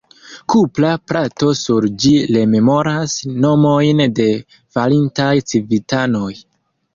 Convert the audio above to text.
Kupra plato sur ĝi rememoras nomojn de falintaj civitanoj.